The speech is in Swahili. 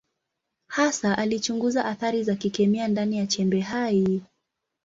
Hasa alichunguza athari za kikemia ndani ya chembe hai.